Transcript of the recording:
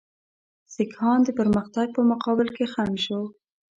سیکهان د پرمختګ په مقابل کې خنډ شو.